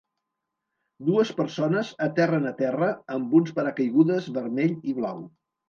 Dues persones aterren a terra amb uns paracaigudes vermell i blau.